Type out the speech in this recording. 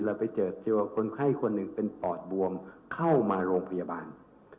เราไปเจอเจอคนไข้คนหนึ่งเป็นปอดบวมเข้ามาโรงพยาบาล